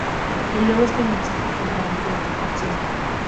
Y luego este mensaje tomó amplia difusión.